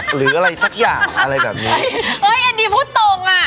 หรืออะไรสักอย่างอะไรแบบเนี้ยเอ้ยอันนี้พูดตรงอ่ะ